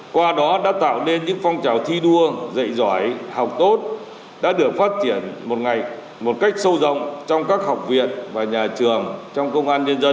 qua đó đã tạo nên những phong trào thi đua dạy giỏi học tốt đã được phát triển một ngày một cách sâu rộng trong các học viện và nhà trường trong công an nhân dân